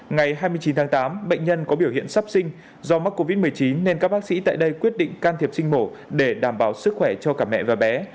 ngày hai mươi chín tháng tám bệnh nhân có biểu hiện sắp sinh do mắc covid một mươi chín nên các bác sĩ tại đây quyết định can thiệp sinh mổ để đảm bảo sức khỏe cho cả mẹ và bé